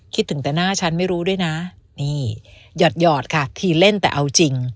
คิดถึงแต่หน้าฉันไม่รู้ด้วยนะนี่หยอดค่ะทีเล่นแต่เอาจริง